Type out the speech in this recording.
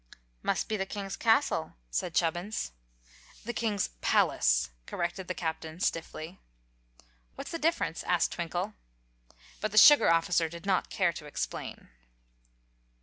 "Must be the king's castle," said Chubbins. "The king's palace," corrected the Captain, stiffly. "What's the difference?" asked Twinkle. But the sugar officer did not care to explain.